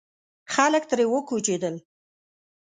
خلک ترې وکوچېدل.